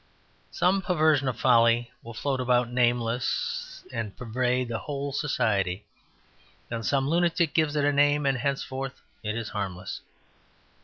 Some perversion of folly will float about nameless and pervade a whole society; then some lunatic gives it a name, and henceforth it is harmless.